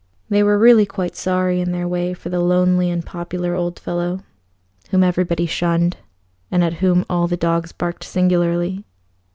They were really quite sorry in their way for the lonely, unpopular old fellow, whom everybody shunned, and at whom all the dogs barked singularly.